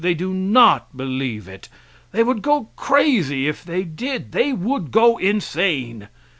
They do not believe it. They would go crazy if they did. They would go insane.